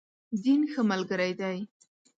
دین، ښه ملګری دی.